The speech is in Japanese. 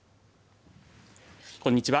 こんにちは。